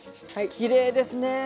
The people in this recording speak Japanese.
きれいですね。